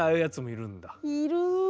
いる。